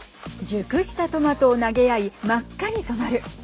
熟したトマトを投げ合い真っ赤に染まる。